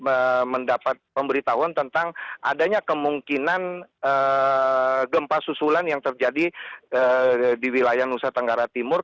kami mendapat pemberitahuan tentang adanya kemungkinan gempa susulan yang terjadi di wilayah nusa tenggara timur